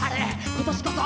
「今年こそ？